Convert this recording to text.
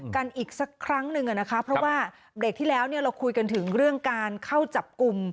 กันอีกสักครั้งหนึ่งนะคะเพราะว่าเบรกที่แล้วเราคุยกันถึงเรื่องการเข้าจับกลุ่ม